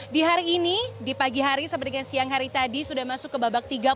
di hari ini di pagi hari sama dengan siang hari tadi sudah masuk ke babak tiga